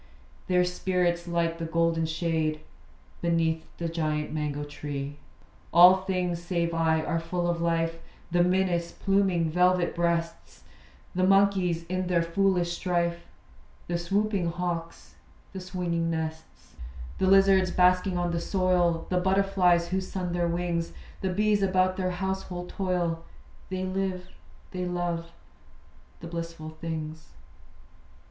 Their spirits light the golden shade Beneath the giant mango tree. All things, save I, are full of life: The minas, pluming velvet breasts; The monkeys, in their foolish strife; The swooping hawks, the swinging nests; The lizards basking on the soil, The butterflies who sun their wings; The bees about their household toil, They live, they love, the blissful things.